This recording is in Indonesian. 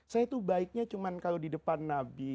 saya itu baiknya cuma kalau di depan nabi